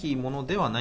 はい。